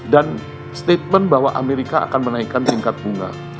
dan statement bahwa amerika akan menaikkan tingkat bunga